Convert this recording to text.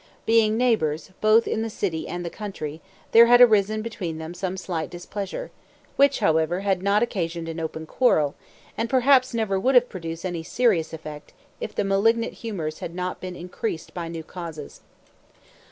Being neighbors, both in the city and the country, there had arisen between them some slight displeasure, which, however, had not occasioned an open quarrel, and perhaps never would have produced any serious effect if the malignant humors had not been increased by new causes.